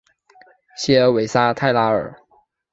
谢尔韦沙泰拉尔。